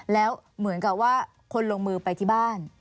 แล้วเหมือนกับว่าคนลงมือไปที่บ้าน